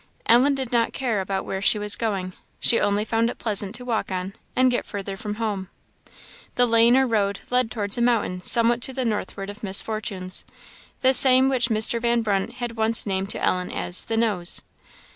Ellen did not care about where she was going; she only found it pleasant to walk on, and get further from home. The road or lane led towards a mountain somewhat to the northward of Miss Fortune's; the same which Mr. Van Brunt had once named to Ellen as "The Nose."